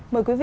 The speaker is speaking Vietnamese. mời quý vị